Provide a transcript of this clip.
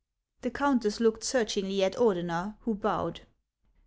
" The countess looked searchiugly at Ordener, who bowed.